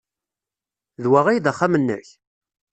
D wa ay d axxam-nnek?